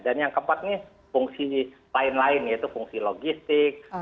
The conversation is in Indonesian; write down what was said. dan yang keempat ini fungsi lain lain yaitu fungsi logistik